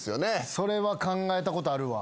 それは考えたことあるわ。